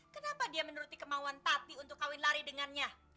kenapa dia menuruti kemauan tati untuk kawin lari dengannya